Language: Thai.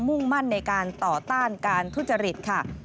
มุ่งมั่นในการต่อต้านการทุจริตค่ะ